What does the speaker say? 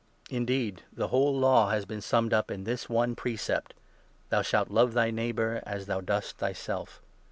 Indeed, the whole Law has 14 been summed up in this one precept —' Thou shalt love thy neighbour as thou dost thyself.